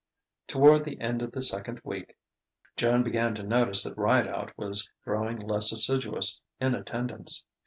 Toward the end of the second week, Joan began to notice that Rideout was growing less assiduous in attendance.